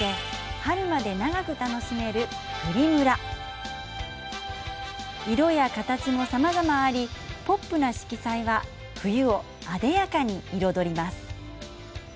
春まで長く楽しめるプリムラ色や形もさまざまありポップな色彩は冬をあでやかに彩ります。